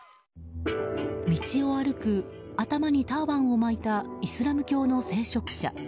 道を歩く、頭にターバンを巻いたイスラム教の聖職者。